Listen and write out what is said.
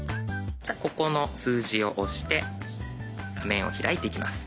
じゃここの数字を押して画面を開いていきます。